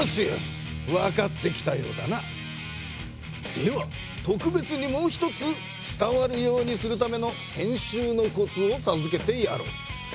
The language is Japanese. ではとくべつにもう一つ伝わるようにするための編集のコツをさずけてやろう。